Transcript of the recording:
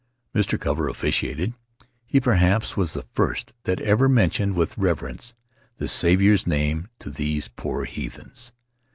Mr. Cover officiated; he perhaps was the first that ever mentioned with reverence the Saviour's name to these poor heathens.